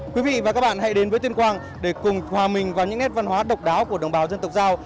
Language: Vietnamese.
quý vị và các bạn hãy đến với tuyên quang để cùng hòa mình vào những nét văn hóa độc đáo của đồng bào dân tộc giao